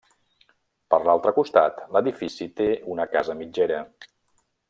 Per l'altre costat l'edifici té una casa mitgera.